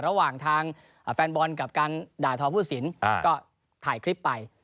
ระหว่างทางแฟนบอลกับการด่าทอผู้สินก็ถ่ายคลิปไป